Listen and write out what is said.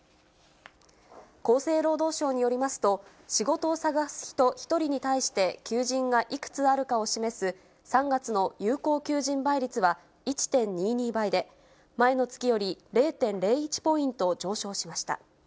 厚生労働省によりますと、仕事を探す人１人に対して求人がいくつあるかを示す、３月の有効求人倍率は１．２２倍で、前の月より０．０１ポイント上昇しました。